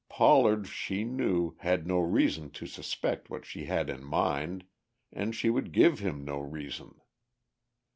Pollard, she knew, had no reason to suspect what she had in mind, and she would give him no reason.